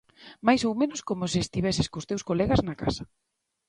Máis ou menos como se estiveses cos teus colegas na casa.